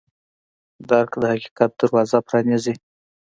درک د حقیقت دروازه پرانیزي.